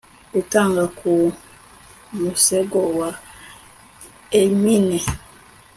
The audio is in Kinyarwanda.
Gutanga ku musego wa ermine